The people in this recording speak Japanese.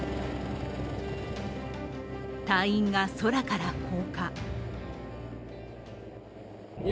隊員が空から降下。